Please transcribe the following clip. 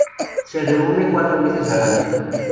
Se reúne cuatro veces al año.